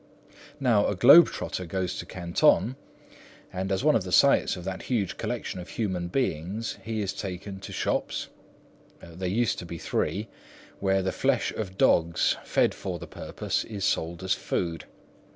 Now, a globe trotter goes to Canton, and as one of the sights of that huge collection of human beings, he is taken to shops,—there used to be three,—where the flesh of dogs, fed for the purpose, is sold as food.